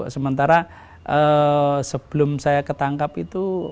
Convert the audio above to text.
sementara sebelum saya ketangkap itu